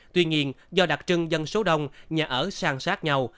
tuy nhiên do đặc trưng dân số đông nhà ở sang sát nhau